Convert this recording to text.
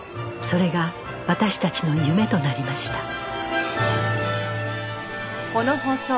それが私たちの夢となりました